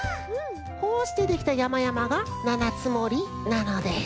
こうしてできたやまやまが七ツ森なのです。